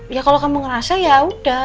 ya kalau kamu ngerasa ya udah